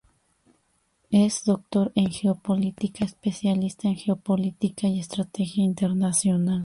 Es doctor en geopolítica, especialista en geopolítica y estrategia internacional.